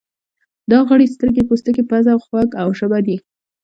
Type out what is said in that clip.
دا غړي سترګې، پوستکی، پزه، غوږ او ژبه دي.